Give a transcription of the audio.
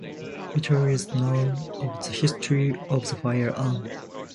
Little is known of the history of the firearm.